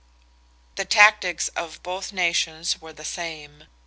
The tactics of both nations were the same.